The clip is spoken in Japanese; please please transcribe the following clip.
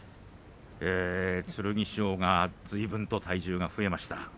剣翔がずいぶんと体重が増えました。